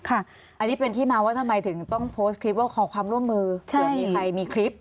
อันนี้เป็นที่มาว่าทำไมถึงต้องโพสต์คลิปว่าขอความร่วมมือเผื่อมีใครมีคลิป